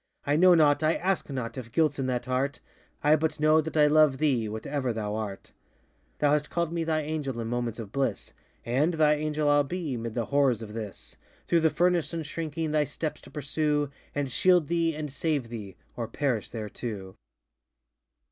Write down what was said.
I know not, I ask not, if guiltŌĆÖs in that heart, I but know that I love thee, whatever thou art. Thou hast callŌĆÖd me thy Angel in moments of bliss, And thy Angel IŌĆÖll be, ŌĆśmid the horrors of this, ŌĆö Through the furnace, unshrinking, thy steps to pursue, And shield thee, and save thee, ŌĆöor perish there too!